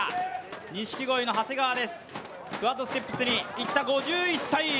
錦鯉の長谷川です、クワッドステップスに行った５１歳。